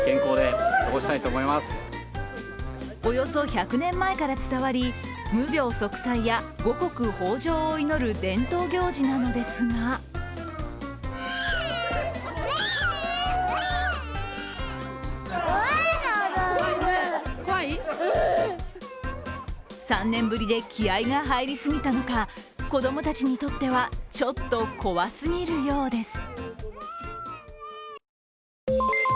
およそ１００年前から伝わり無病息災や五穀豊穣を祈る伝統行事なのですが３年ぶりで気合いが入りすぎたのか子供たちにとっては、ちょっと怖すぎるようです。